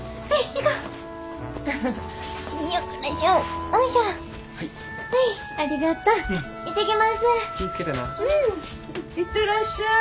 行ってらっしゃい。